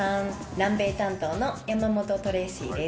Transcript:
南米担当のヤマモトトレイシィです。